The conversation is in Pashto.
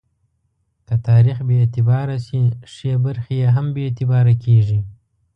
که تاریخ بې اعتباره شي، ښې برخې یې هم بې اعتباره کېږي.